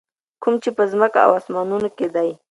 کوم چې په ځکمه او اسمانونو کي دي.